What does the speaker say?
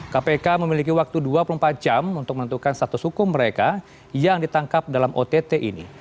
kpk memiliki waktu dua puluh empat jam untuk menentukan status hukum mereka yang ditangkap dalam ott ini